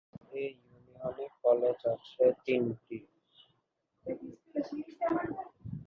এ ইউনিয়নে কলেজ আছে তিনটি।